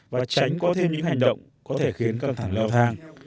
và tránh có thêm những hành động có thể khiến căng thẳng leo thang